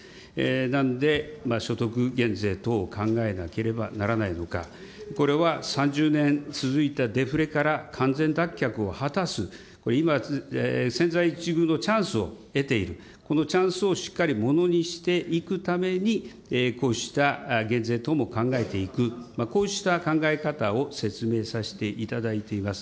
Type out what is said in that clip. なんで、所得減税等を考えなければならないのか、これは３０年続いたデフレから完全脱却を果たす、今、千載一遇のチャンスを得ている、このチャンスをしっかりものにしていくためにこうした減税等も考えていく、こうした考え方を説明させていただいています。